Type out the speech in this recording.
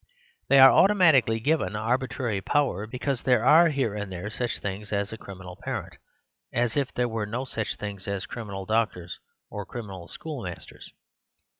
They are automatically given arbitrary power because there are here and there such things as criminal parents; as if there were no such things as criminal doctors or criminal school 76 The Superstition of Divorce masters.